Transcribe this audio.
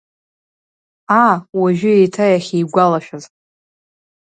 Аа, уажәы еиҭа иахьигәалашәаз.